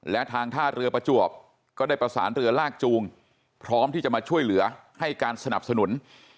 และทางท่าเรือประจวบก็ได้ประสานเรือลากจูงพร้อมที่จะมาช่วยเหลือให้การสนับสนุน